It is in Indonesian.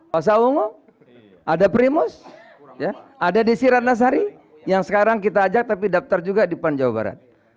pasha ungu ada primus ada desirat nasari yang sekarang kita ajak tapi daftar juga di pan jawa barat